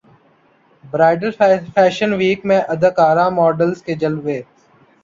bridal fashion week میں اداکاراں models کے جلوے